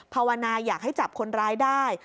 ภาวนาอยากให้จับคนร้ายได้